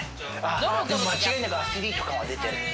間違いなくアスリート感が出てる。